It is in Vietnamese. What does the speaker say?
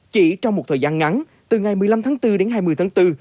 chỉ trong một thời gian ngắn từ ngày một mươi năm tháng bốn đến hai mươi tháng bốn